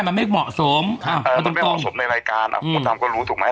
มันไม่เหมาะสมมันไม่เหมาะสมในรายการอ่ะมดดำก็รู้ถูกไหม